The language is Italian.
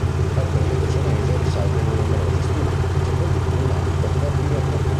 Al periodo senese risalgono numerosi studi, soprattutto in ambito cardiaco.